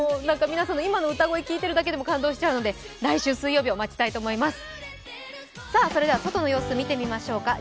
皆さんの今の歌声聴いてるだけで感動しちゃうんで来週水曜日を待ちたいと思います。